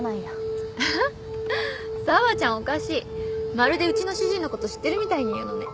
まるでうちの主人のこと知ってるみたいに言うのね。